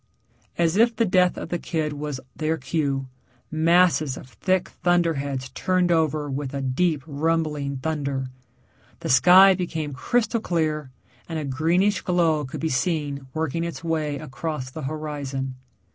As if the death of the kid was their cue, masses of thick thunderheads turned over with a deep rumbling thunder. The sky became crystal clear, and a greenish glow could be seen working its way across the horizon.